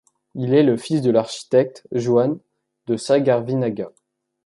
Il est le fils de l'architecte Juan de Sagarvinaga.